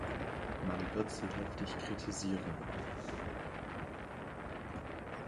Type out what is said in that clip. Man wird sie heftig kritisieren.